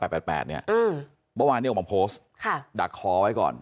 เมื่อวานนี้ออกมาโพสต์ดักคอไว้ก่อน